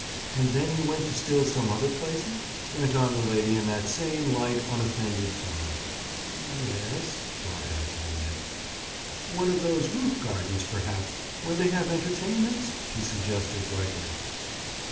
"And then you went to still some other places?" went on the lady in that same light, unoffended tone. "Ye es," Bob had to admit. "One of those roof gardens, perhaps, where they have entertainments?" she suggested brightly.